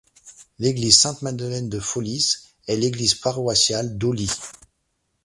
L'église Sainte-Madeleine de Foliis est l'église paroissiale d'Haulies.